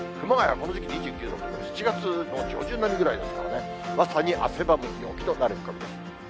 この時期２９度とは、７月の上旬並みぐらいですからね、まさに汗ばむ陽気となる見込みです。